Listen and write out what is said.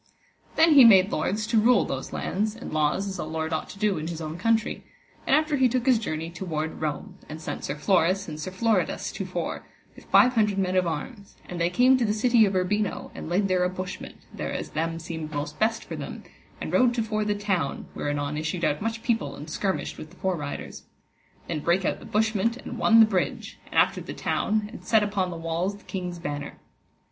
Then he made lords to rule those lands, and laws as a lord ought to do in his own country; and after he took his journey toward Rome, and sent Sir Floris and Sir Floridas to fore, with five hundred men of arms, and they came to the city of Urbino and laid there a bushment, thereas them seemed most best for them, and rode to fore the town, where anon issued out much people and skirmished with the fore riders. Then brake out the bushment and won the bridge, and after the town, and set upon the walls the king's banner.